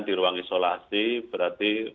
di ruang isolasi berarti